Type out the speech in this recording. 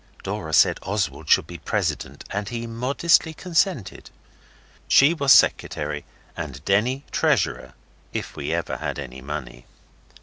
Dora said Oswald should be president, and he modestly consented. She was secretary, and Denny treasurer if we ever had any money.